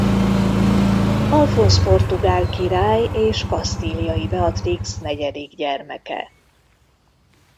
Alfonz portugál király és Kasztíliai Beatrix negyedik gyermeke.